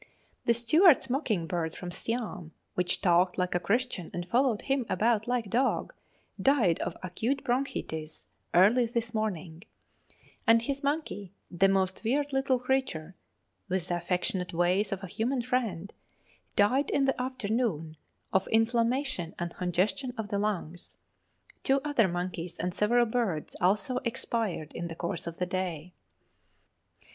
The steward's mocking bird from Siam, which talked like a Christian and followed him about like a dog, died of acute bronchitis early this morning; and his monkey, the most weird little creature, with the affectionate ways of a human friend, died in the afternoon, of inflammation and congestion of the lungs. Two other monkeys and several birds also expired in the course of the day.